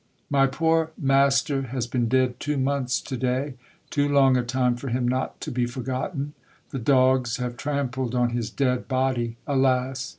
My poor Master has been dead two months to day, too long a time for him not to be forgotten.... The dogs have trampled on his dead body. Alas!